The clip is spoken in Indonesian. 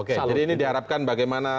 oke jadi ini diharapkan bagaimana